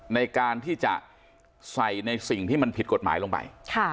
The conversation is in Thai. ในการที่จะใส่ในสิ่งที่มันผิดกฎหมายลงไป